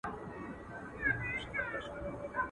نه منمه ستا بیان ګوره چي لا څه کیږي.